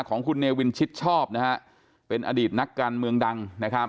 ของคุณเนวินชิดชอบอดีตนักการเมืองดัง